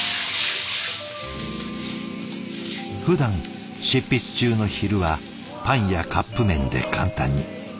ふだん執筆中の昼はパンやカップ麺で簡単に。